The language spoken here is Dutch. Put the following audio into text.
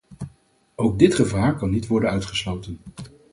Ook dit gevaar kan niet worden uitgesloten.